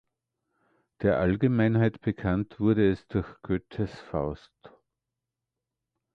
Der Allgemeinheit bekannt wurde es durch Goethes Faust.